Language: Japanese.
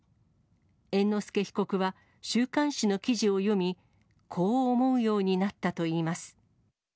猿之助被告は、週刊誌の記事を読み、こう思うようになったといいます。